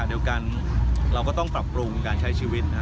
เดียวกันเราก็ต้องปรับปรุงการใช้ชีวิต